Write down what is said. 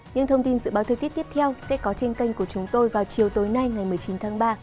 những thông tin dự báo thời tiết tiếp theo sẽ có trên kênh của chúng tôi vào chiều tối nay ngày một mươi chín tháng ba